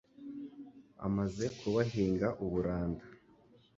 Amaze ku bahinga uburanda